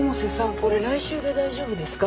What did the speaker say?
これ来週で大丈夫ですか？